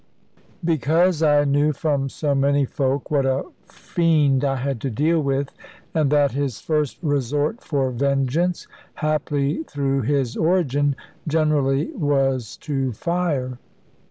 Because I knew from so many folk what a fiend I had to deal with, and that his first resort for vengeance (haply through his origin) generally was to fire.